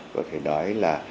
có thể nói là